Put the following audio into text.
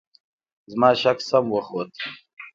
زما شک سم وخوت .